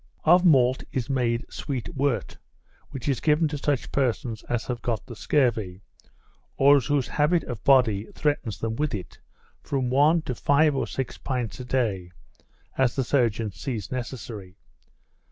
Of malt is made sweet wort, which is given to such persons as have got the scurvy, or whose habit of body threatens them with it, from one to five or six pints a day, as the surgeon sees necessary.